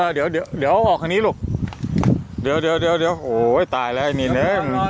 อะเดี๋ยวเด๋ยวเดี๋ยวออกทางนี้ลูกเดี๋ยวโหว้ยตายแล้วนะอ่อน